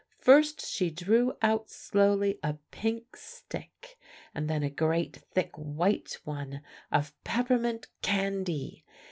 first she drew out slowly a pink stick, and then a great thick white one of peppermint candy!